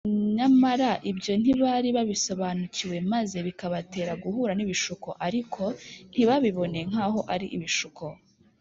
nyamara ibyo ntibari babisobanukiwe, maze bikabatera guhura n’ibishuko, ariko ntibabibone nk’aho ari ibishuko